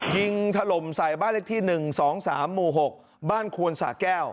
ถล่มใส่บ้านเลขที่๑๒๓หมู่๖บ้านควนสะแก้ว